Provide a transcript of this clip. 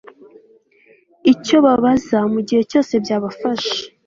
icyo babaza mu gihe cyose byabafasha